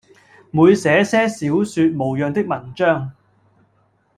每寫些小說模樣的文章，